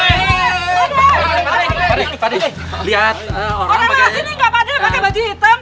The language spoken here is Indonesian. orang orang di sini gak pade pakai baju hitam